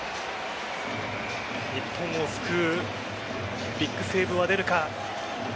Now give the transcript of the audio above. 日本を救うビッグセーブは出るか。